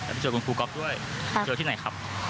ไปเจอคุณครูก๊อฟด้วยเจอที่ไหนครับ